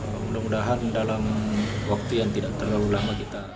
mudah mudahan dalam waktu yang tidak terlalu lama kita